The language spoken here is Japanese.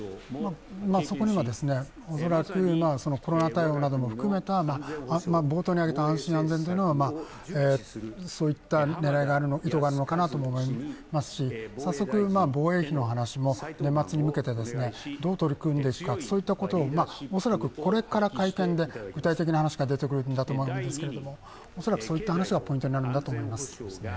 そこには恐らくコロナ対応なども含めた、冒頭に挙げた安全・安心といった狙い・意図があるのかなと思いますし早速、防衛費の話も年末に向けてどう取り組んでいくかそういったことを、恐らくこれから会見で具体的な話が出てくるんだと思うんですけれども恐らくそういった話がポイントになるんだと思います。